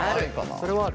それはある。